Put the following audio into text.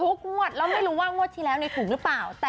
ทุกมวดเราไม่รู้ว่างวดที่สุดไหร่สุดหรือเปล่า